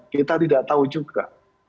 kita tidak tahu juga